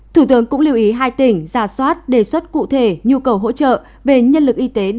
thủ tướng cũng lưu ý hai tỉnh giả soát đề xuất cụ thể nhu cầu hỗ trợ về nhân lực y tế